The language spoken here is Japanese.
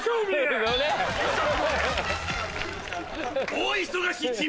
大忙し。